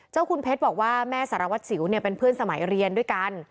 เจ้าคุณเพชรบอกว่าแม่สารวัตรสิวเป็นเพื่อนสมัยเรียนด้วยกัน